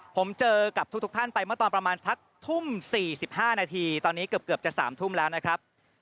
ผมเจอกับทุกท่านไปเมื่อตอนประมาณทักทุ่ม๔๕นาทีตอนนี้เกือบจะ๓ทุ่มแล้วนะครับ